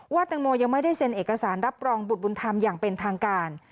ตังโมยังไม่ได้เซ็นเอกสารรับรองบุตรบุญธรรมอย่างเป็นทางการ